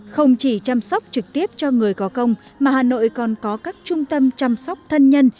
không chỉ chăm sóc trực tiếp cho người có công mà hà nội còn có các trung tâm chăm sóc thân nhân